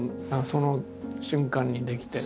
その瞬間に出来て。